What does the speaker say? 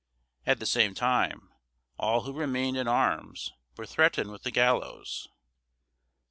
At the same time, all who remained in arms were threatened with the gallows.